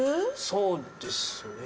そうですね。